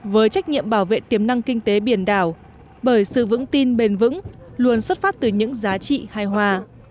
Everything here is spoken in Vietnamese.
với trách nhiệm bảo vệ tiềm năng kinh tế biển đảo bởi sự vững tin bền vững luôn xuất phát từ những giá trị hài hòa